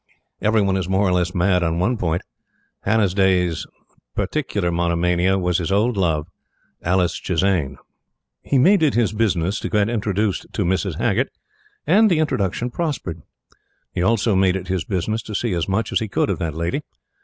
Every one is more or less mad on one point. Hannasyde's particular monomania was his old love, Alice Chisane. He made it his business to get introduced to Mrs. Haggert, and the introduction prospered. He also made it his business to see as much as he could of that lady.